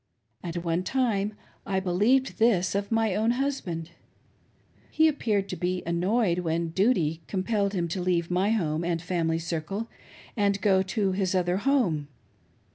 At one time I believed this of my own husband, fie appeared to be annoyed when " duty " compelled him to leave my home and family circle, and go to his other " home."